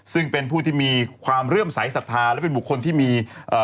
ซึ่งเป็นผู้ที่มีความเรื่องใสสัทธาและเป็นบุคคลที่มีเอ่อ